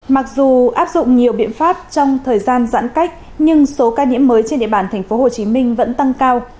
mặc dù áp dụng nhiều biện pháp trong thời gian giãn cách nhưng số ca nhiễm mới trên địa bàn tp hcm vẫn tăng cao